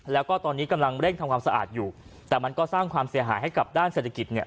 แล้วก็ตอนนี้กำลังเร่งทำความสะอาดอยู่แต่มันก็สร้างความเสียหายให้กับด้านเศรษฐกิจเนี่ย